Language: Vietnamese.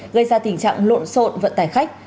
gây ra tình trạng lộn xộn vận tải khách